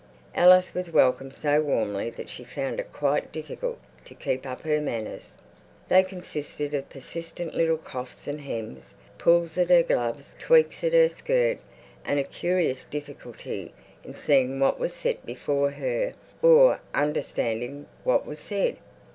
Alice was welcomed so warmly that she found it quite difficult to keep up her "manners." They consisted of persistent little coughs and hems, pulls at her gloves, tweaks at her skirt, and a curious difficulty in seeing what was set before her or understanding what was said.